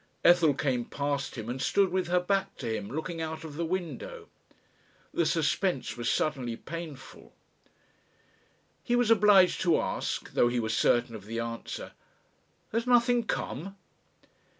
Ethel came past him and stood with her back to him looking out of the window. The suspense was suddenly painful.... He was obliged to ask, though he was certain of the answer, "Has nothing come?"